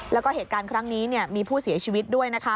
แล้วก็เหตุการณ์ครั้งนี้มีผู้เสียชีวิตด้วยนะคะ